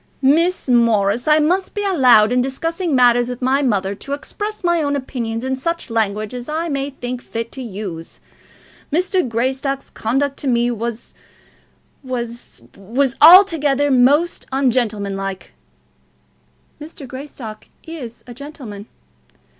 "Miss Morris, I must be allowed, in discussing matters with my mother, to express my own opinions in such language as I may think fit to use. Mr. Greystock's conduct to me was was was altogether most ungentlemanlike." "Mr. Greystock is a gentleman."